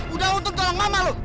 udah untung kalau mama loh